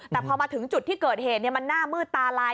แต่พอมาถึงจุดที่เกิดเหตุมันหน้ามืดตาลาย